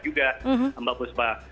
juga mbak busba